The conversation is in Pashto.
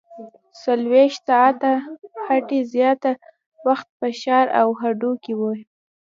څلورویشت ساعته هټۍ زیاتره وخت په ښار او هډو کې وي